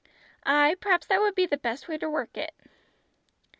"Aye p'raps that would be the best way to work it."